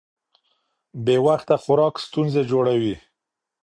بې وخته خوراک ستونزې جوړوي.